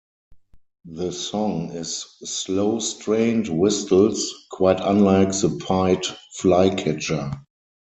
The song is slow strained whistles, quite unlike the pied flycatcher.